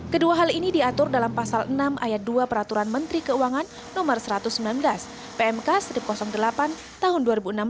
kedua hal ini diatur dalam pasal enam ayat dua peraturan menteri keuangan no satu ratus sembilan belas pmk satu ratus delapan tahun dua ribu enam belas